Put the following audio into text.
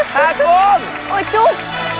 ทาโกมโอ๊ยจุ๊บ